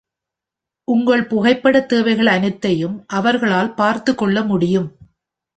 உங்கள் புகைப்படத் தேவைகள் அனைத்தையும் அவர்களால் பார்த்துக்கொள்ள முடியும்.